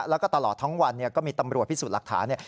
แล้วก็ตลอดทั้งวันก็มีตำรวจพิสูจน์หลักฐาน